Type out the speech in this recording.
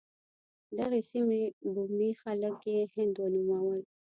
دغې سیمې بومي خلک یې هند ونومول.